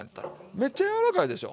めっちゃ柔らかいでしょ？